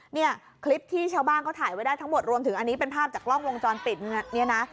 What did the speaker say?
เนี่ยคลิปที่ชาวบ้านเขาถ่ายไว้ได้ทั้งหมดรวมถึงอันนี้เป็นภาพจากกล้องวงจรปิดเนี่ยนะ